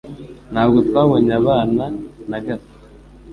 Ntabwo twabonye abana na gato.